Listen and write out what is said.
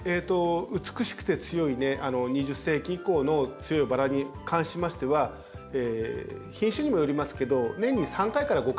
美しくて強い２０世紀以降の強いバラに関しましては品種にもよりますけど年に３回から５回ぐらいで。